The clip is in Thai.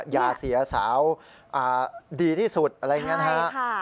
อย่าเสียสาวดีที่สุดอะไรอย่างนี้นะฮะ